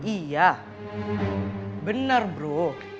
iya bener bro